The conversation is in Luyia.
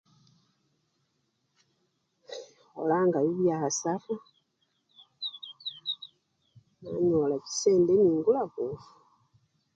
Kho! ikholanga bibyasara nanyola chisendi nengula bufu.